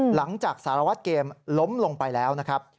หลังจากสารวัตรเกมล้มลงไปแล้วนะครับ